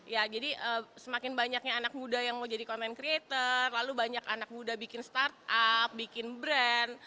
ya jadi semakin banyaknya anak muda yang mau jadi content creator lalu banyak anak muda bikin startup bikin brand